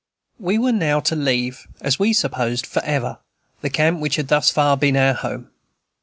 We were now to leave, as we supposed forever, the camp which had thus far been our home.